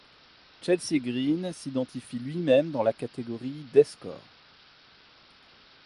Chelsea Grin s'identifie lui-même dans la catégorie deathcore.